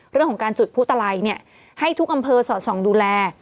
เรื่องของการจุดพุตลัยให้ทุกอำเภอสอดส่องดูแล